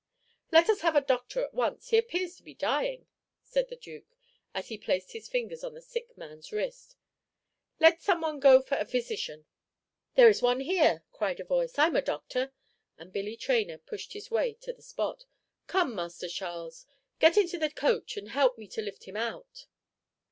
"Let us have a doctor at once; he appears to be dying," said the Duke, as he placed his fingers on the sick man's wrist. "Let some one go for a physician." "There is one here," cried a voice. "I'm a doctor;" and Billy Traynor pushed his way to the spot. "Come, Master Charles, get into the coach and help me to lift him out."